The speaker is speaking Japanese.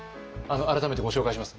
改めてご紹介します。